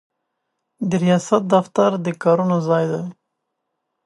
د ریاست دفتر د کارونو ځای دی.